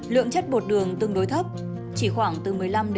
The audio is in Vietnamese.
lượng chất bột đường tương đối thấp chỉ khoảng từ một mươi năm bốn mươi năm